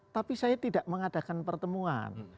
tapi saya tidak mengadakan pertemuan